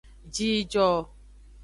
Jijo.